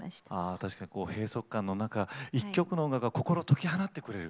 確かに閉塞感の中一曲の音楽が心解き放ってくれる。